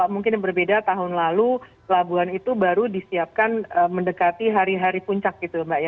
mungkin yang berbeda tahun lalu pelabuhan itu baru disiapkan mendekati hari hari puncak gitu mbak ya